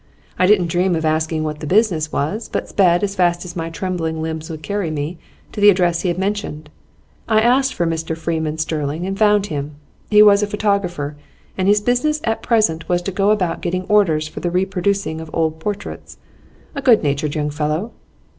I didn't dream of asking what the business was, but sped, as fast as my trembling limbs would carry me, to the address he had mentioned. I asked for Mr Freeman Sterling, and found him. He was a photographer, and his business at present was to go about getting orders for the reproducing of old portraits. A good natured young fellow.